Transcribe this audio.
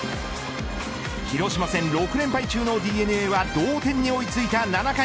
広島戦６連敗中のＤｅＮＡは同点に追いついた７回。